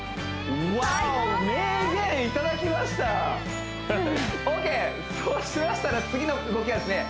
ワオ名言いただきましたＯＫそうしましたら次の動きはですね